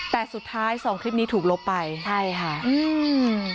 แต่สุดท้ายสองคลิปนี้ถูกลบไปใช่ค่ะอืม